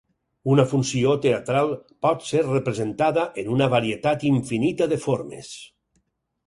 Una funció teatral pot ser representada en una varietat infinita de formes.